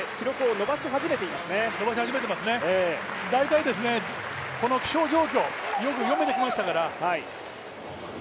大体気象状況、よく読めてきましたから。